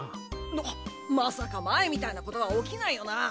あっまさか前みたいなことは起きないよな？